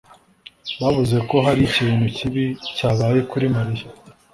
Bavuze ko hari ikintu kibi cyabaye kuri Mariya.